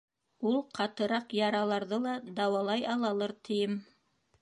Ул ҡатыраҡ яраларҙы ла дауалай алалыр, тием.